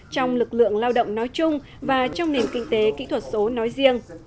trong lực lượng lao động nói chung và trong nền kinh tế kỹ thuật số nói riêng